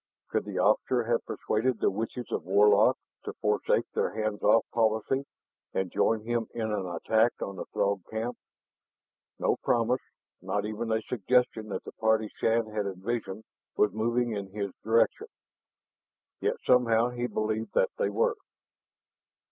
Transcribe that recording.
Could the officer have persuaded the witches of Warlock to foresake their hands off policy and join him in an attack on the Throg camp? No promise, not even a suggestion that the party Shann had envisioned was moving in his direction. Yet somehow he believed that they were.